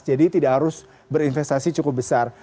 jadi tidak harus berinvestasi cukup besar